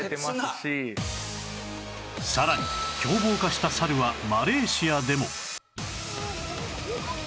さらに凶暴化したサルはマレーシアでも